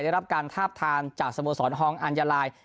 ได้รับการทาบทามจากสโมสรฮองอัญญาลาย